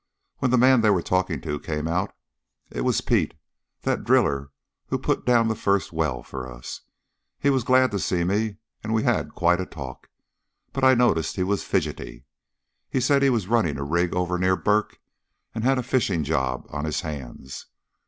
When the man they were talking to came out, it was Pete, that driller who put down the first well for us. He was glad to see me, and we had quite a talk, but I noticed he was fidgety. He said he was running a rig over near 'Burk,' and had a fishing job on his hands.